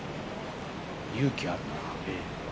勇気あるなあ。